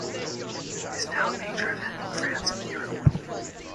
It is now a major event in France and Europe.